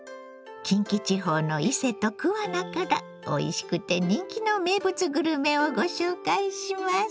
近畿地方の伊勢と桑名からおいしくて人気の名物グルメをご紹介します。